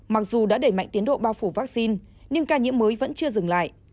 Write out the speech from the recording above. mặc dù đã đẩy mạnh tiến độ bao phủ vaccine nhưng ca nhiễm mới vẫn chưa dừng lại